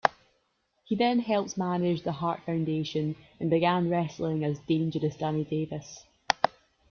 He then helped manage the Hart Foundation and began wrestling as "Dangerous" Danny Davis.